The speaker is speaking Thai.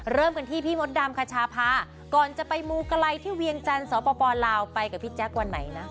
เริ่มกันที่พี่มดดำคชาพาก่อนจะไปมูไกลที่เวียงจันทร์สปลาวไปกับพี่แจ๊ควันไหนนะ